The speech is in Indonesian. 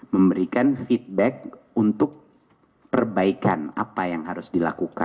memberikan feedback untuk perbaikan apa yang harus dilakukan